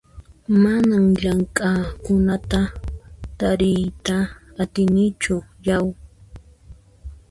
Manan llamk'aqkunata tariyta atinichu yau!